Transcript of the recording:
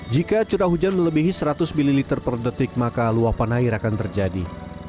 jika curah hujan melebihi seratus ml per detik maka luapan air akan terjadi